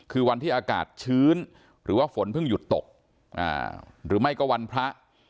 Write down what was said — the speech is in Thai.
คือวันที่อากาศชื้นหรือว่าฝนเพิ่งหยุดตกหรือไม่ก็วันพระ